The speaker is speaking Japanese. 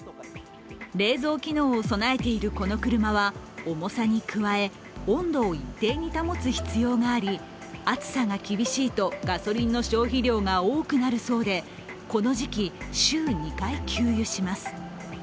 冷蔵機能を備えているこの車は、重さに加え、温度を一定に保つ必要があり暑さが厳しいとガソリンの消費量が多くなるそうでこの時期、週２回、給油します。